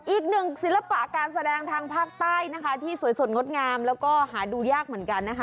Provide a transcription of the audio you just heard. ศิลปะการแสดงทางภาคใต้นะคะที่สวยสดงดงามแล้วก็หาดูยากเหมือนกันนะคะ